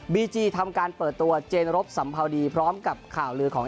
บีจีทำการเปิดตัวเจนรบสัมภาวดีพร้อมกับข่าวลือของ